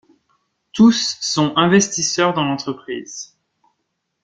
Tous sont investisseurs dans l'entreprise.